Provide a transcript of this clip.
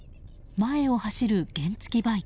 前を走る原付きバイク。